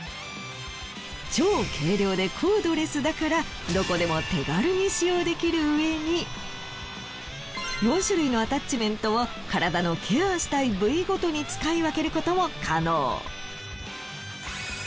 超軽量でコードレスだからどこでも手軽に使用できるうえに４種類のアタッチメントを体のケアしたい部位ごとに使い分けることも可能。